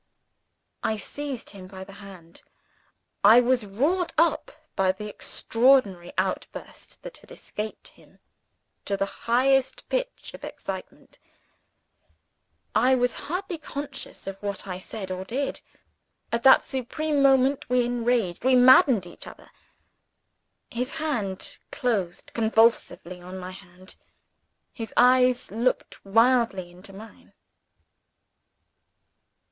I seized him by the hand. I was wrought up by the extraordinary outburst that had escaped him to the highest pitch of excitement: I was hardly conscious of what I said or did. At that supreme moment, we enraged, we maddened each other. His hand closed convulsively on my hand. His eyes looked wildly into mine.